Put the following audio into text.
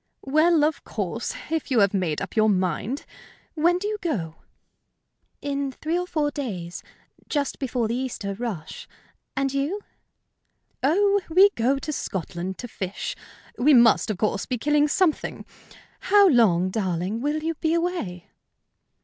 "Well, of course, if you have made up your mind. When do you go?" "In three or four days just before the Easter rush. And you?" "Oh, we go to Scotland to fish. We must, of course, be killing something. How long, darling, will you be away?"